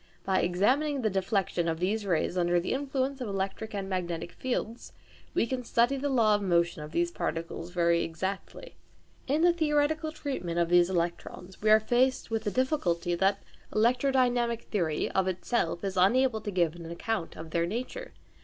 By examining the deflection of these rays under the influence of electric and magnetic fields, we can study the law of motion of these particles very exactly. In the theoretical treatment of these electrons, we are faced with the difficulty that electrodynamic theory of itself is unable to give an account of their nature.